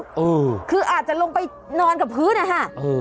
เออคืออาจจะลงไปนอนกับพื้นนะคะเออ